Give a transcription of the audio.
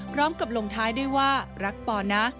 พร้อมกับลงท้ายด้วยว่ารักปอนะ